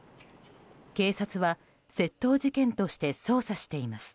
警察は窃盗事件として捜査しています。